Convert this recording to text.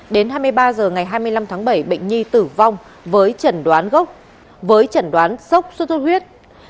đến hai mươi ba h ngày hai mươi năm tháng bảy bệnh nhi tử vong với trần đoán gốc với trần đoán sốt sốt huyết